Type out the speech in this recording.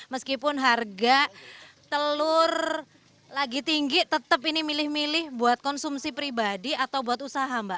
meskipun harga telur lagi tinggi tetap ini milih milih buat konsumsi pribadi atau buat usaha mbak